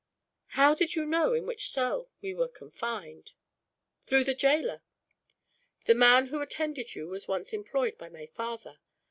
"How did you know in which cell we were confined?" "Through the jailor. The man who attended you was once employed by my father.